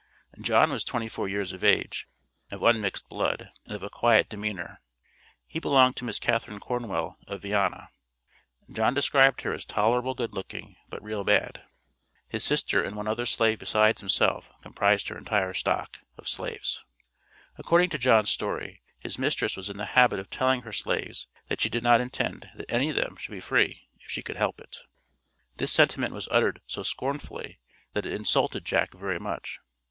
John was twenty four years of age, of unmixed blood, and of a quiet demeanour. He belonged to Miss Catharine Cornwell, of Viana. John described her as "tolerable good looking, but real bad." His sister and one other slave besides himself comprised her entire stock (of slaves). According to John's story, his mistress was in the habit of telling her slaves that she did not "intend that any of them should be free if she could help it;" this sentiment was uttered so "scornfully" that it "insulted" Jack very much.